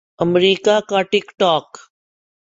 امریکا کا ٹک ٹاک